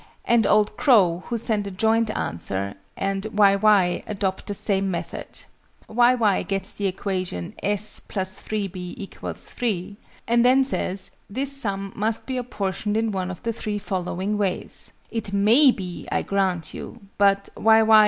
and OLD CROW, who send a joint answer, and Y. Y., adopt the same method. Y. Y. gets the equation s + 3_b_ = 3: and then says "this sum must be apportioned in one of the three following ways." It may be, I grant you: but Y. Y.